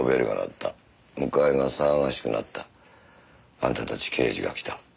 あんたたち刑事が来た。